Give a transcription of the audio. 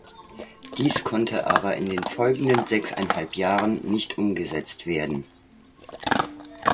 Dies konnte aber in den folgenden sechseinhalb Jahren nicht umgesetzt werden.